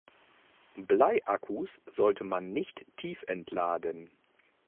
Bleiakkus sollte man nicht tiefentladen.